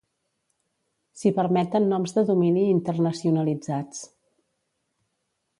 S'hi permeten noms de domini internacionalitzats.